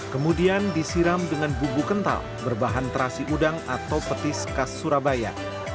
kemudian disiram dengan bubuk kental berbahan terasi udang atau petis khas surabaya